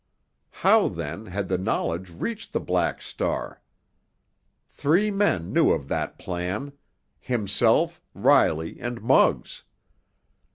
How, then, had the knowledge reached the Black Star? Three men knew of that plan—himself, Riley, and Muggs.